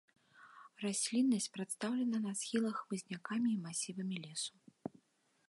Расліннасць прадстаўлена на схілах хмызнякамі і масівамі лесу.